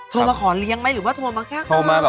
โทรมาขอเลี้ยงไหมหรือว่าโทรมาแค่